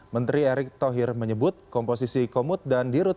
menteri erick thohir menyebut komposisi komut dan dirut